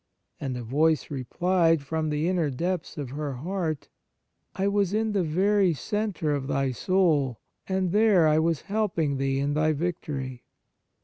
and a voice replied from the inner depths of her heart : "I was in the very centre of thy soul, and there I was helping thee in thy victory."